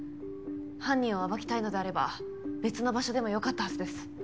犯人を暴きたいのであれば別の場所でも良かったはずです。